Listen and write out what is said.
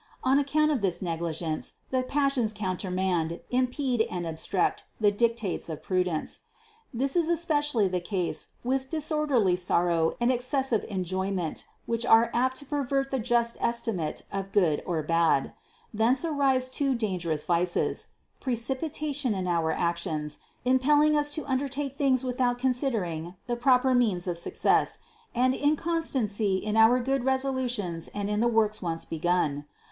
On account of this negligence the passions countermand, impede, and obstruct the dictates of prudence. This is especially the case with disorderly sorrow and excessive enjoyment, which are apt to pervert the just estimation of good or bad. Thence arise two dangerous vices: precipitation in our actions, impelling us to undertake things without considering the proper means of success, and incon stancy in our good resolutions and in the works once begun.